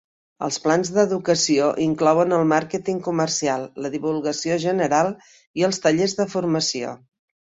Els plans d'educació inclouen el màrqueting comercial, la divulgació general i els tallers de formació.